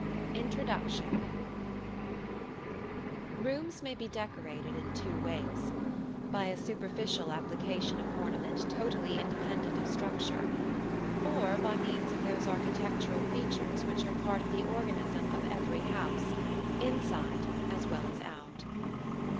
INTRODUCTION Rooms may be decorated in two ways: by a superficial application of ornament totally independent of structure, or by means of those architectural features which are part of the organism of every house, inside as well as out.